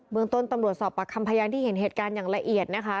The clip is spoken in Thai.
เมืองต้นตัมหลวนสอบปรักคำพยายามที่เห็นเหตุการณ์แห่งละเอียดนะคะ